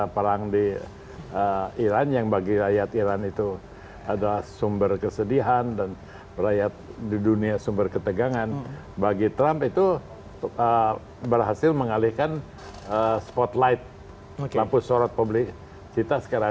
pemerintah iran berjanji akan membalas serangan amerika yang tersebut